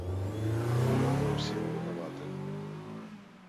Бо ён ва ўсім вінаваты.